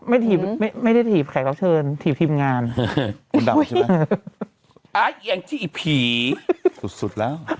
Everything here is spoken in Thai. ไม่ทีบไม่ไม่ได้ทีบแขกรับเชิญทีบทีมงานคุณดำใช่ไหมอ้าวไอ้แหงที่อีกผีสุดสุดแล้ว